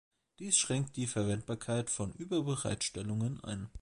Dies schränkt die Verwendbarkeit von Überbereitstellungen ein.